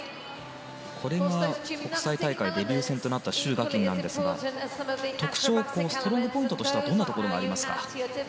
これが国際大会デビュー戦となったシュウ・ガキンですが特徴、ストロングポイントはどんなところがありますか？